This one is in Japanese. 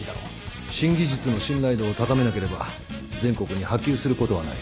新技術の信頼度を高めなければ全国に波及することはない。